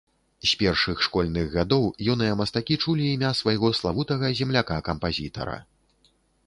З першых школьных гадоў юныя мастакі чулі імя свайго славутага земляка-кампазітара.